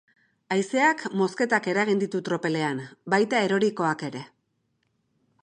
Haizeak mozketak eragin ditu tropelean, baita erorikoak ere.